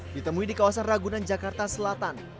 ditemui di kawasan ragunan jakarta selatan